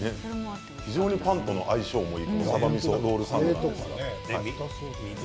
非常にパンとの相性もいいさばみそロールサンド。